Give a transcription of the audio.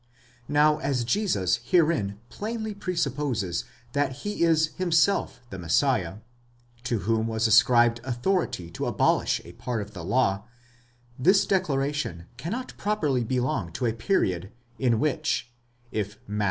Now as Jesus herein plainly presupposes that he is himself the Messiah, to whom was ascribed authority to abolish a part of the law, this declaration cannot properly belong to a period in which, if Matt.